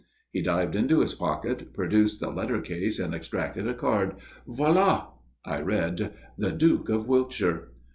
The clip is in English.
He dived into his pocket, produced the letter case, and extracted a card. "Voilà." I read: "The Duke of Wiltshire."